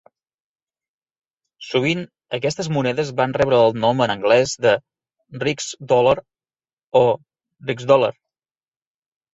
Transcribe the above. Sovint, aquestes monedes van rebre el nom en anglès de "rix-dollar" o "rixdollar".